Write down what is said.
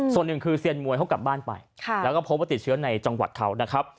ส่วนหนึ่งคือเซียนมวยเขากลับบ้านไปแล้วก็พบว่าติดเชื้อในจังหวัดเขานะครับ